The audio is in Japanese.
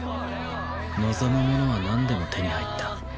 望むものはなんでも手に入った